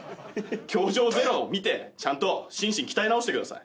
『−教場０−』を見てちゃんと心身鍛え直してください。